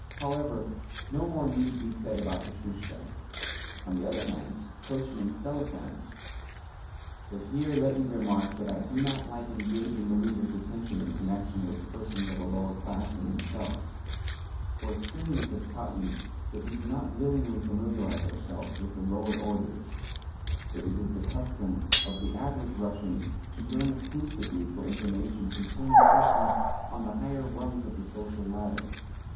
However, no more need be said about Petrushka. On the other hand, Coachman Selifan But here let me remark that I do not like engaging the reader's attention in connection with persons of a lower class than himself; for experience has taught me that we do not willingly familiarise ourselves with the lower orders that it is the custom of the average Russian to yearn exclusively for information concerning persons on the higher rungs of the social ladder.